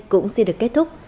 cũng xin được kết thúc